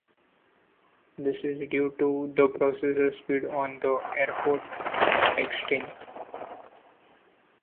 This is due to the processor speed on the AirPort extreme.